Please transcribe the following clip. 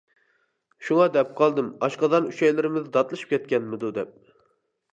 شۇڭا دەپ قالدىم ئاشقازان ئۈچەيلىرىمىز داتلىشىپ كەتكەنمىدۇ دەپ.